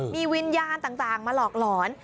มีวิญญาณต่างมาหลอกหลอน